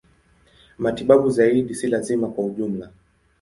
Matibabu zaidi si lazima kwa ujumla.